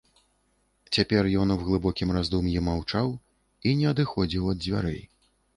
Цяпер ён у глыбокім раздум'і маўчаў і не адыходзіў ад дзвярэй.